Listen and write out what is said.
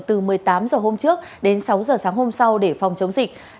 từ một mươi tám h hôm trước đến sáu h sáng hôm sau để phòng chống dịch